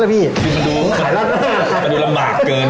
จริงรำบากเกิน